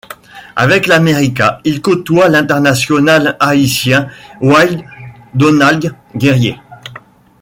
Avec l'América, il côtoie l'international haïtien Wilde-Donald Guerrier.